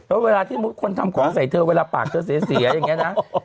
แล้วเวลาที่คนทำของใส่เธอเวลาปากเธอเสียอย่างนี้นะ